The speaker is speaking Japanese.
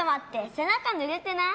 背中ぬれてない？